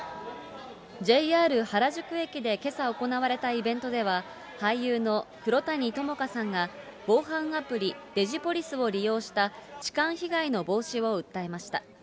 ＪＲ原宿駅でけさ行われたイベントでは、俳優の黒谷友香さんが、防犯アプリ、デジポリスを利用した痴漢被害の防止を訴えました。